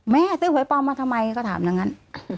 แม่ซื้อหวยปลอมมาทำไมก็ถามดังนั้น